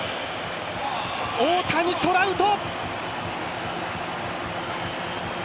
大谷×トラウト！